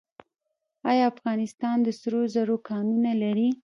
آیا افغانستان د سرو زرو کانونه لري؟